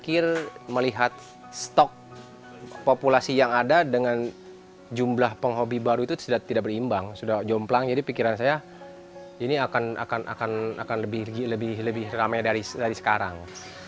itu tidak berimbang sudah jomplang jadi pikiran saya ini akan lebih ramai dari sekarang